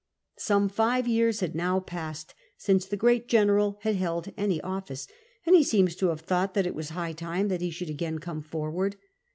Some five years had now passed since the great general had held any office, and he seems to have thought that it was high time that he should again come forward.